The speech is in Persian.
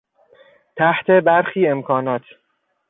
تحت برخی امکانات